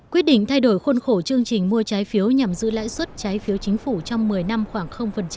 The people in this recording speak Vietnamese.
quyết định thay đổi khuôn khổ chương trình mua trái phiếu nhằm giữ lãi suất trái phiếu chính phủ trong một mươi năm khoảng